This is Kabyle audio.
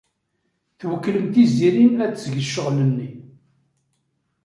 Twekklem Tiziri ad teg ccɣel-nni.